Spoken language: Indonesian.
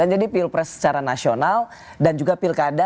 jadi pilpres secara nasional dan juga pilkada